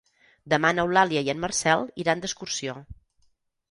Demà n'Eulàlia i en Marcel iran d'excursió.